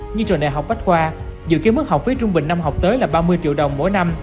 như trường đại học bách khoa dự kiến mức học phí trung bình năm học tới là ba mươi triệu đồng mỗi năm